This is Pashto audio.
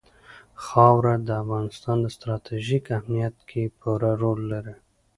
خاوره د افغانستان په ستراتیژیک اهمیت کې پوره رول لري.